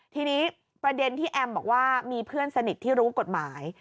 ทีนี้ประเด็นที่แอมบอกว่ามีเพื่อนสนิทที่รู้กฎหมาย